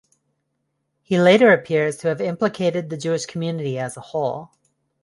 He later appears to have implicated the Jewish community as a whole.